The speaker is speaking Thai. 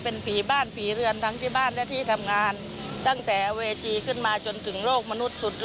ก็ยและตั้งตั้งแต่ที่คงที่อยู่